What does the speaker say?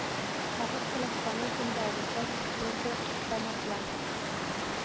هغه خپله پخوانۍ تنده او غوسه یو څه کمه کړه